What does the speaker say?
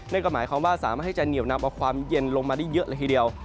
นั่นก็หมายความว่าสามารถให้จะเหนียวนำเอาความเย็นลงมาได้เยอะเลยทีเดียว